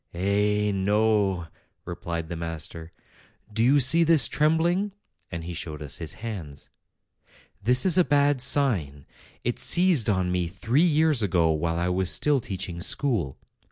"Eh, no!" replied the master; " do you see this trembling?" and he showed us his hands. 'This is a bad sign. It seized on me three years ago, while I was still teaching school.